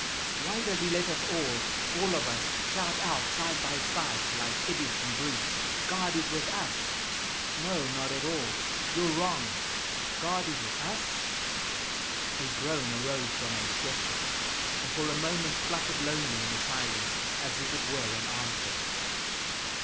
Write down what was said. Why does He let us all all of us shout out side by side, like idiots and brutes, 'God is with us!' 'No, not at all, you're wrong; God is with us'?" A groan arose from a stretcher, and for a moment fluttered lonely in the silence as if it were an answer.